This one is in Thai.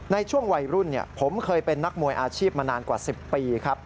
ในช่วงวัยรุ่นผมเคยเป็นนักมวยอาชีพมานานกว่า๑๐ปีครับ